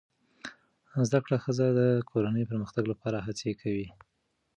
زده کړه ښځه د کورنۍ پرمختګ لپاره هڅې کوي